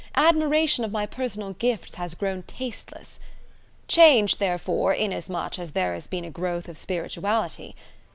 admiration of my personal gifts has grown tasteless. Changed, therefore, inasmuch as there has been a growth of spirituality.